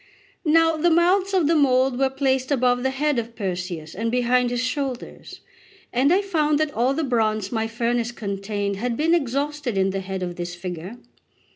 Now the mouths of the mould were placed above the head of Perseus and behind his shoulders; and I found that all the bronze my furnace contained had been exhausted in the head of this figure.